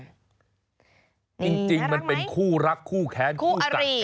นี่น่ารักไหมจริงมันเป็นคู่รักคู่แค้นคู่กัดกันนะ